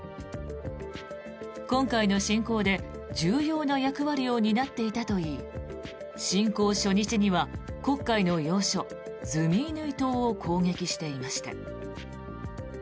今回の侵攻で重要な役割を担っていたといい侵攻初日には黒海の要所ズミイヌイ島を攻撃していました。